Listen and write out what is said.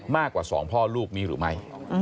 มากกว่า๒พ่อลูกนี้หรือไม่